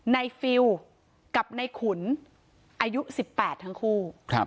ในฟิลกับในขุนอายุสิบแปดทั้งคู่